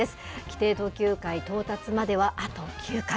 規定投球回到達まではあと９回。